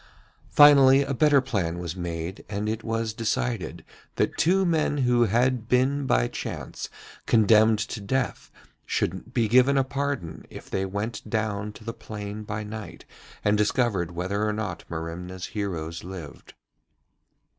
Finally, a better plan was made, and it was decided that two men who had been by chance condemned to death should be given a pardon if they went down into the plain by night and discovered whether or not Merimna's heroes lived.